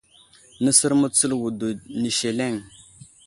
Nəsər mətsəl wədo ni seleŋ.